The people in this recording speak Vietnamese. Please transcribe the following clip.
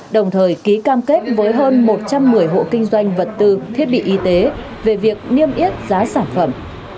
đồng thời ký cam kết với hơn một trăm một mươi hộ kinh doanh vật tư thiết bị y tế về việc niêm yết giá sản phẩm